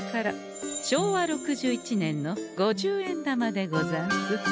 昭和６１年の五十円玉でござんす。